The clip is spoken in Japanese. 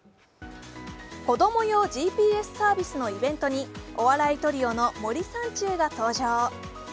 子供用ＧＰＳサービスのイベントに、お笑いトリオの森三中が登場。